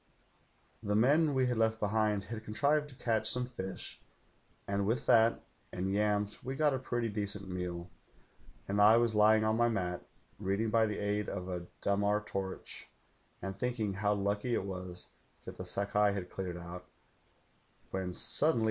The men we had left behind had contrived to catch some fish, and with that and yams we got a pretty decent meal, and I was lying on my mat reading by the aid of a ddmar torch, and thinking how lucky it was that the Sakai had cleared out, when suddenly o!